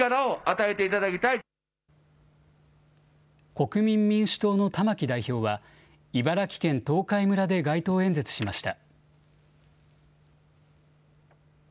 国民民主党の玉木代表は、茨城県東海村で街頭演説しました。